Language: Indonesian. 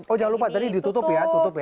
oh jangan lupa tadi ditutup ya